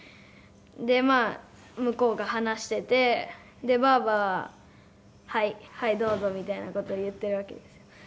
まあ向こうが話しててばあばが「はいどうぞ」みたいな事を言ってるわけです。